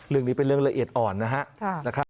เรื่องนี้เป็นเรื่องละเอียดอ่อนนะครับ